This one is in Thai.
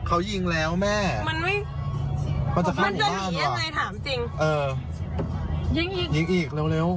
โอ้ยแม็กซ์ปืนก็นี่อีก